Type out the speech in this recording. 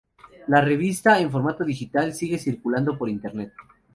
La revista, en formato digital, sigue circulando por Internet.